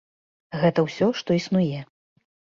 Гэта ўсё што існуе.